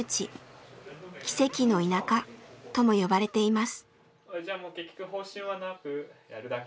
「奇跡の田舎」とも呼ばれています。